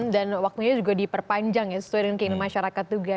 dan waktunya juga diperpanjang ya setuai dengan keinginan masyarakat juga